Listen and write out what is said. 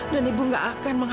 haris gak bisa bu